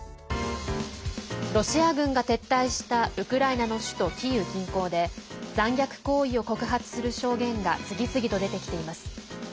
ロシア軍が撤退したウクライナの首都キーウ近郊で残虐行為を告発する証言が次々と出てきています。